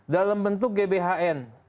dalam bentuk gbhn